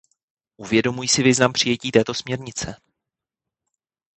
Uvědomuji si význam přijetí této směrnice.